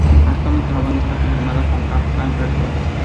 Actualmente la banda está firmada con Kap-Kan Records.